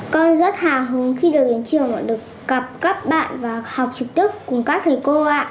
con rất hà hứng khi được đến trường và được gặp các bạn và học trực tức cùng các thầy cô ạ